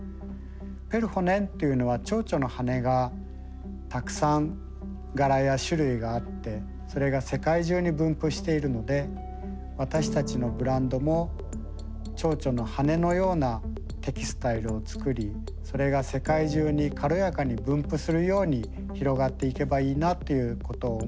「ペルホネン」というのは蝶々の羽がたくさん柄や種類があってそれが世界中に分布しているので私たちのブランドも蝶々の羽のようなテキスタイルを作りそれが世界中に軽やかに分布するように広がっていけばいいなということを思い